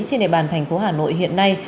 trên đề bàn thành phố hà nội hiện nay